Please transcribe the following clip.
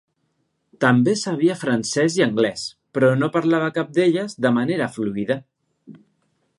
També sabia francès i anglès, però no parlava cap d'elles de manera fluida.